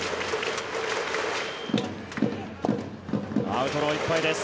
アウトローいっぱいです。